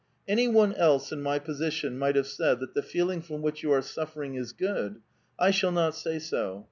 " Any one else in my place might have said that the feeling from which you are suffering is good. I shall not say so.